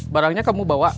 barangnya kamu bawa